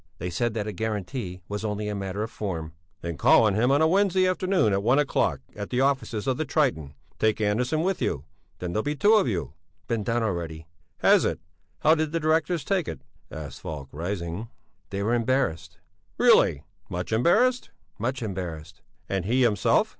They said that a guarantee was only a matter of form." "Then call on him on a Wednesday afternoon at one o'clock at the offices of the 'Triton'; take Andersson with you, then there'll be two of you." "Been done already." "Has it? How did the directors take it?" asked Falk, rising. "They were embarrassed." "Really? Much embarrassed?" "Much embarrassed." "And he himself?"